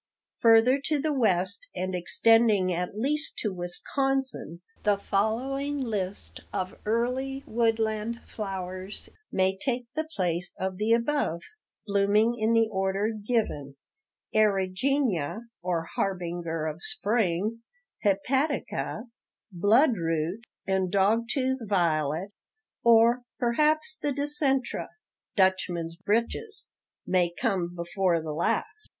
Further to the west and extending at least to Wisconsin, the following list of early woodland flowers may take the place of the above, blooming in the order given: Erigenia (or harbinger of spring), hepatica, bloodroot, and dog tooth violet, or perhaps the dicentra (Dutchman's breeches) may come before the last.